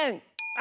あ！